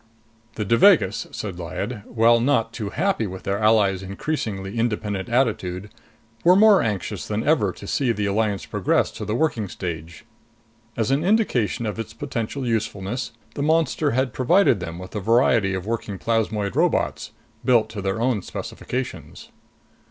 27 The Devagas, said Lyad, while not too happy with their ally's increasingly independent attitude, were more anxious than ever to see the alliance progress to the working stage. As an indication of its potential usefulness, the monster had provided them with a variety of working plasmoid robots, built to their own specifications.